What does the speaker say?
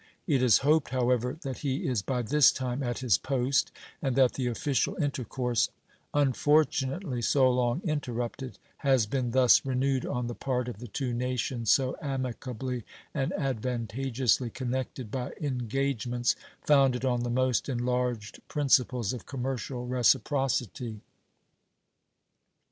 It is hoped, however, that he is by this time at his post, and that the official intercourse, unfortunately so long interrupted, has been thus renewed on the part of the two nations so amicably and advantageously connected by engagements founded on the most enlarged principles of commercial reciprocity.